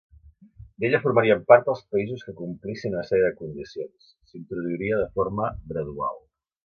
D'ella formarien part els països que complissin una sèrie de condicions; s'introduiria de forma gradual.